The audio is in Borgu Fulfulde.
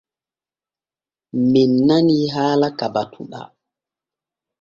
Men nanii haala ka batuɗaa.